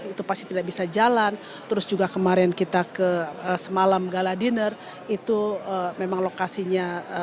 itu pasti tidak bisa jalan terus juga kemarin kita ke semalam gala dinner itu memang lokasinya